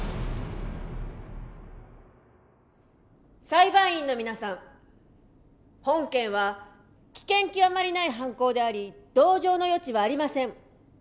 裁判員の皆さん本件は危険極まりない犯行であり同情の余地はありません。